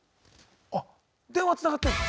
あ電話つながってんの？